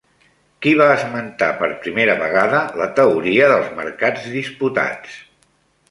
Qui va esmentar per primera vegada la teoria dels mercats disputats?